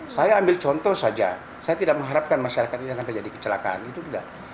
saya ambil contoh saja saya tidak mengharapkan masyarakat ini akan terjadi kecelakaan itu tidak